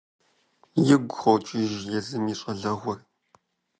Игу къокӀыж езым и щӀалэгъуэр.